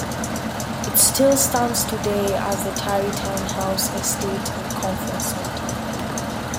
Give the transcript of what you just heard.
It still stands today as the Tarrytown House Estate and Conference Center.